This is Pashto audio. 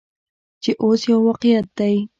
چې اوس یو واقعیت دی.